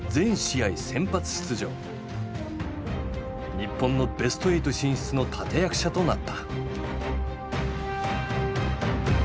日本のベストエイト進出の立て役者となった。